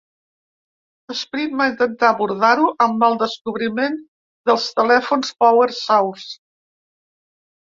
Sprint va intentar abordar-ho amb el descobriment dels telèfons PowerSource.